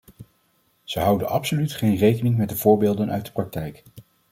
Ze houden absoluut geen rekening met de voorbeelden uit de praktijk.